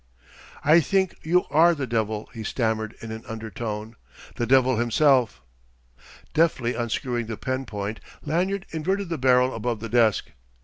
"I think you are the devil," he stammered in an under tone "the devil himself!" Deftly unscrewing the pen point, Lanyard inverted the barrel above the desk.